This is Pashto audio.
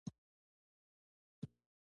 غنم د انسانانو اصلي خواړه دي